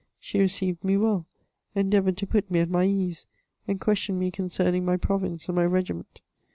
She received me well, endeavoured to put me at my ease, and questioned me con cerning my province and my regiment.